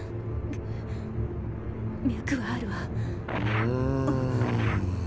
脈はあるわ。